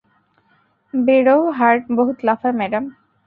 বেড়োও -heart বহুত লাফায় madam.